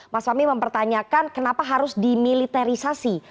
mas fahmi mempertanyakan kenapa harus dimiliterisasi